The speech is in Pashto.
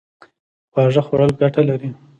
خواږه خوړل ګټه لري